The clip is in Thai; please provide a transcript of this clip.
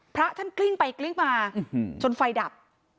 พระท่านกลิ้งไปกลิ้งมาจนไฟดับ